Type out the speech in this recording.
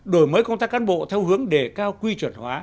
đổi mới công tác cán bộ theo hướng đề cao quy chuẩn hóa